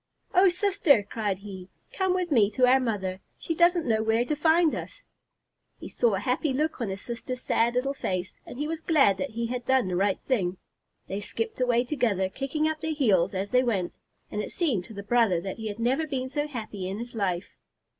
"Oh sister!" cried he. "Come with me to our mother. She doesn't know where to find us." He saw a happy look on his sister's sad little face, and he was glad that he had done the right thing. They skipped away together, kicking up their heels as they went, and it seemed to the brother that he had never been so happy in his life.